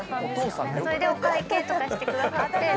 それでお会計とかしてくださって。